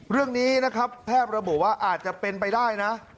เรื่องนี้นะครับแพทย์ระบุว่าอาจจะเป็นไปได้นะ